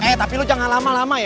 eh tapi lu jangan lama lama ya